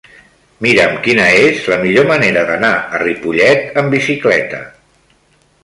Mira'm quina és la millor manera d'anar a Ripollet amb bicicleta.